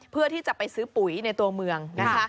เพื่อที่จะไปซื้อปุ๋ยในตัวเมืองนะคะ